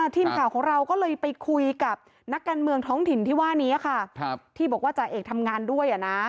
ทีมข่าวของเราก็เลยไปคุยกับนักการเมืองท้องถิ่นที่ว่านี้ค่ะที่บอกว่าจ่าเอกทำงานด้วย